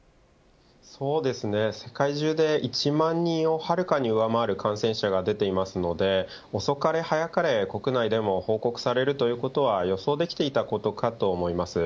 そうですね、世界中で１万人をはるかに上回る感染者が出ていますので遅かれ早かれ、国内でも報告されるということは予想できていたことかと思います。